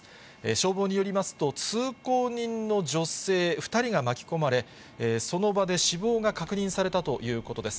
消防によりますと、通行人の女性２人が巻き込まれ、その場で死亡が確認されたということです。